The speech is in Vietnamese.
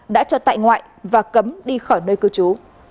đã cho tại ngoại và cấm đi khỏi nơi cư trú